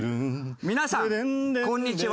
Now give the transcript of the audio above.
皆さんこんにちは。